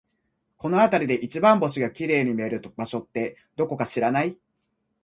この辺りで一番星が綺麗に見える場所って、どこか知らない？